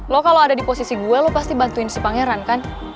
lo kalau ada di posisi gue lo pasti bantuin si pangeran kan